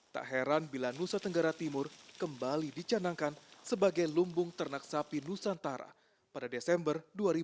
tak heran bila nusa tenggara timur kembali dicanangkan sebagai lumbung ternak sapi nusantara pada desember dua ribu dua puluh